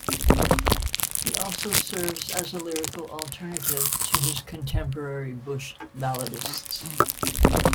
He also serves as a lyrical alternative to his contemporary bush balladists.